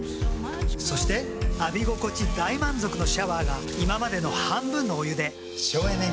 そして浴び心地大満足のシャワーが今までの半分のお湯で省エネに。